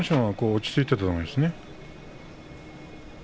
落ち着いていたと思いますね。